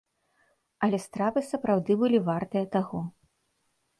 Але стравы сапраўды былі вартыя таго.